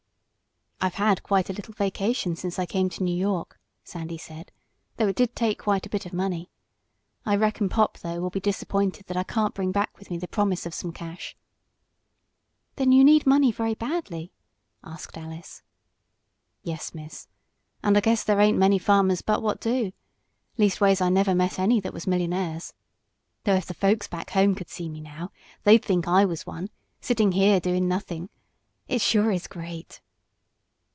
"I've had quite a little vacation since I come to New York," Sandy said, "though it did take quite a bit of money. I reckon pop, though, will be disappointed that I can't bring back with me the promise of some cash." "Then you need money very badly?" asked Alice. "Yes, Miss. And I guess there ain't many farmers but what do. Leastways, I never met any that was millionaires. Though if the folks back home could see me now they'd think I was one, sittin' here doin' nothin'. It sure is great!"